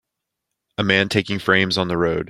A man taking frames on the road.